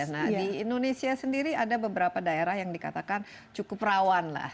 nah di indonesia sendiri ada beberapa daerah yang dikatakan cukup rawan lah